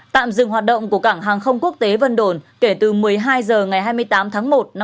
tạm dừng hoạt động của cảng hàng không quốc tế vân đồn kể từ một mươi hai h ngày hai mươi hai h